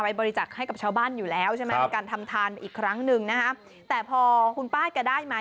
บริจักษ์ให้กับชาวบ้านอยู่แล้วใช่ไหมในการทำทานอีกครั้งหนึ่งนะฮะแต่พอคุณป้าแกได้มา